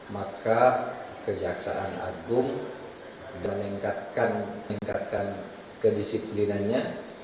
maka kejaksaan agung meningkatkan kedisiplinannya